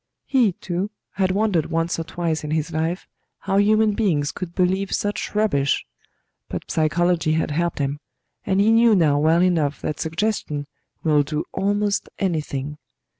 He, too, had wondered once or twice in his life how human beings could believe such rubbish; but psychology had helped him, and he knew now well enough that suggestion will do almost anything.